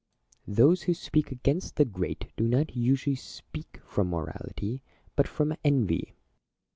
Plato. Those who speak against the great do not usually speak from morality, but from envy.